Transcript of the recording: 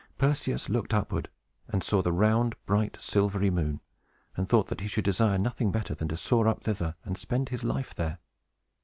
Perseus looked upward, and saw the round, bright, silvery moon, and thought that he should desire nothing better than to soar up thither, and spend his life there.